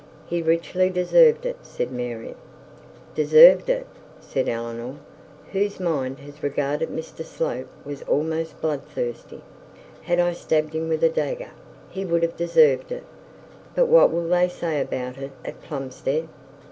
'He richly deserved it,' said Mary. 'Deserved it!' said Eleanor, whose mind as regarded Mr Slope was almost bloodthirsty. 'Had I stabbed him with a dagger, he would have deserved it. But what will they say about it at Plumstead?'